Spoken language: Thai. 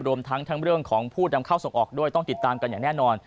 รวมทั้งทั้งเรื่องของผู้นำเข้าส่งออกด้วยต้องติดตามกันอย่างแน่นอน